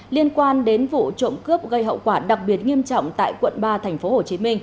liên quan đến vụ trộm cướp gây hậu quả đặc biệt nghiêm trọng tại quận ba tp hcm